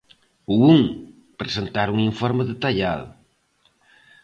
O un: presentar un informe detallado.